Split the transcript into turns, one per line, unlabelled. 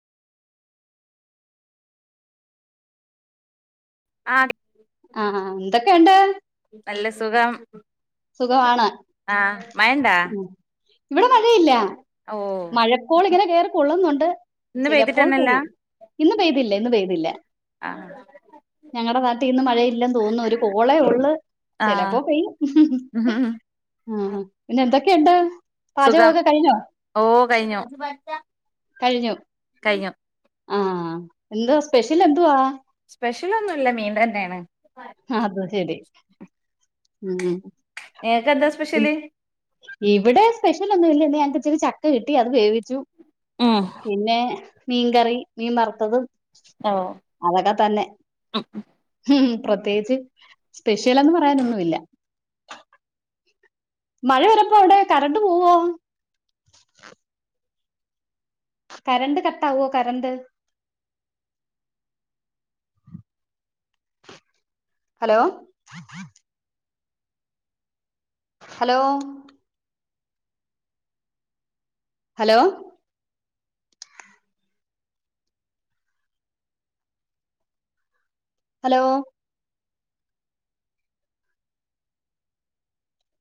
ആഹ്
ആഹ് ആഹ് എന്തൊക്കെയുണ്ട്
നല്ല സുഖം
സുഖമാണ്
ആ മഴണ്ടാ
മ് ഇവിടെ മഴയില്ല
ഓ
മഴക്കോള് ഇങ്ങനെ കയറി കൊള്ളുന്നുണ്ട്
ഇന്ന്
ചിലപ്പോൾ
പെയ്തിട്ടന്നെല്ല
പെയ്യും ഇന്ന് പെയ്തില്ല ഇന്ന് പെയ്തില്ല
ആഹ്
ഞങ്ങളുടെ നാട്ടിൽ ഇന്ന് മഴയില്ലന്ന് തോന്നുന്നു ഒരു കോളെ ഉള്ള്
ആ
ചിലപ്പോ പെയ്യും ആഹ് പിന്നെ എന്തൊക്കെയുണ്ട്
സുഖം
പാചകമൊക്കെ കഴിഞ്ഞോ
ഓ കഴിഞ്ഞു
കഴിഞ്ഞു
കഴിഞ്ഞു
ആഹ് എന്താ സ്പെഷ്യൽ എന്തുവാ
സ്പെഷ്യൽ ഒന്നുമില്ല മീൻ തന്നെണ്
അത് ശരി ഉം
ഏത ഡ്രസ്സ്
ഉം ഇവിടെ സ്പെഷ്യൽ ഒന്നുല്ല ഞങ്ങക്ക് ഇച്ചിരി ചക്ക കിട്ടി അത് വേവിച്ചു
ആഹ്
പിന്നെ മീൻ കറി മീൻ വറ്ത്തത്
ഓ
അതൊക്കെ തന്നെ ഉം പ്രത്യേകിച്ച് സ്പെഷ്യലെന്ന് പറയാനൊന്നുല്ല മഴ വരുമ്പോ അവ്ടെ കറണ്ട് പോവോ കരണ്ട് കട്ടാവോ current hello hello hello hello